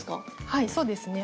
はいそうですね。